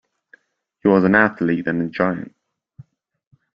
He was an athlete and a giant.